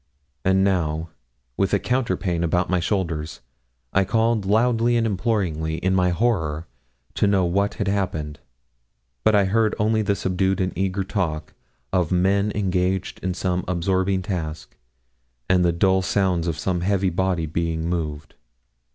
And now, with a counterpane about my shoulders, I called loudly and imploringly, in my horror, to know what had happened. But I heard only the subdued and eager talk of men engaged in some absorbing task, and the dull sounds of some heavy body being moved.